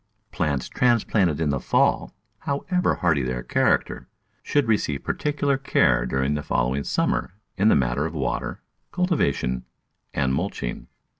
Plants transplanted in the fall, however hardy their character, should receive particular care during the 196 Digitized by Google following summer in the matter of water, cultivation, and mulching.